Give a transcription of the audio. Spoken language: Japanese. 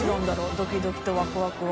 「ドキドキ」と「ワクワク」は。